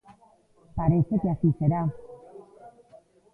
Parece que así será.